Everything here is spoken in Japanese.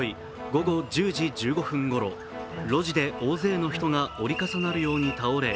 午後１０時１５分ごろ、路地で大勢の人が折り重なるように倒れ